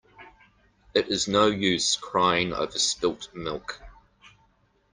It is no use crying over spilt milk.